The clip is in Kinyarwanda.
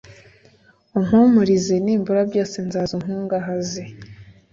umpumurize; nimbura byose, nzaza unkungahaze